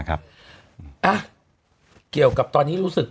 เกี่ยวกับตอนนี้รู้สึก